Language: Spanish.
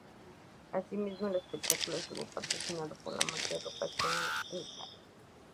Asimismo, el espectáculo estuvo patrocinado por la marca de ropa española Inside.